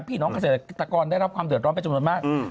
พี่น้องเกษตรกรได้รับความเดือดร้อนไปจำนวนมาก